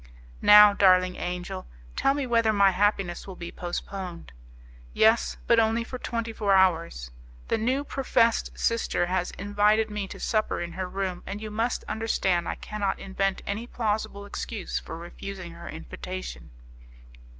"Now, darling angel, tell me whether my happiness will be postponed." "Yes, but only for twenty four hours; the new professed sister has invited me to supper in her room, and you must understand I cannot invent any plausible excuse for refusing her invitation."